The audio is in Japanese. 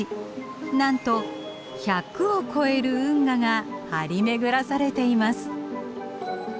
なんと１００を超える運河が張り巡らされています。